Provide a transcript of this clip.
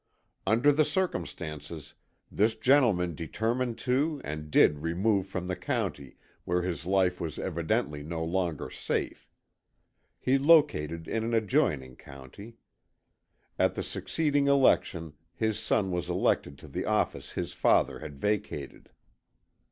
Under the circumstances this gentleman determined to and did remove from the county where his life was evidently no longer safe. He located in an adjoining county. At the succeeding election his son was elected to the office his father had vacated.